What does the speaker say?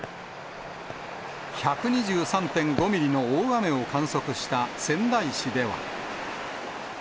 １２３．５ミリの大雨を観測した仙台市では。